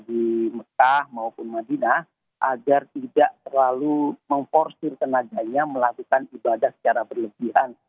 di mekah maupun madinah agar tidak terlalu memporsir tenaganya melakukan ibadah secara berlebihan